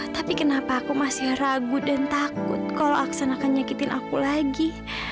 tapi kenapa aku masih ragu dan takut kalau laksanakan nyakitin aku lagi